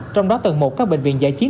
trong đó tầng một các bệnh viện giải chiến